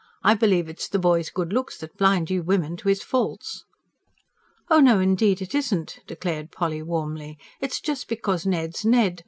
I believe it's the boy's good looks that blind you women to his faults." "Oh no, indeed it isn't!" declared Polly warmly. "It's just because Ned's Ned.